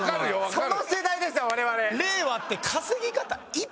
その世代です我々。